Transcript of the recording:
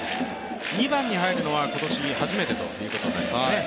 ２番に入るのは今年初めてということになりますね。